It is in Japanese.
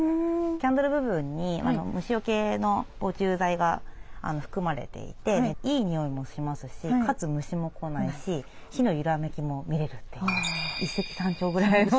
キャンドル部分に虫よけの防虫剤が含まれていていい匂いもしますしかつ虫も来ないし火の揺らめきも見れるという一石三鳥ぐらいの。